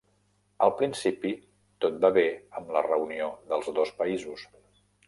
Al principi tot va bé amb la reunió dels dos països.